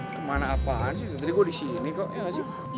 kemana apaan sih tadi gue di sini kok iya gak sih